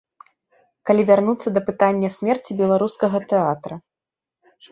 Калі вярнуцца да пытання смерці беларускага тэатра.